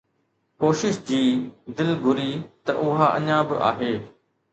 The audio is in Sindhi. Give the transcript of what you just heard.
ڪوشش جي، دل گهري ته اُها اڃا به آهي